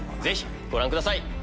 ぜひご覧ください。